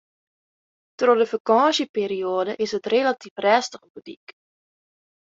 Troch de fakânsjeperioade is it relatyf rêstich op 'e dyk.